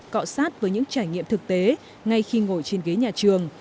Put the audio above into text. cọ sát với những trải nghiệm thực tế ngay khi ngồi trên ghế nhà trường